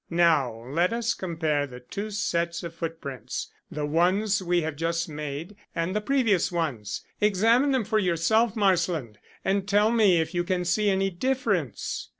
"Now let us compare the two sets of footprints the ones we have just made, and the previous ones. Examine them for yourself, Marsland, and tell me if you can see any difference."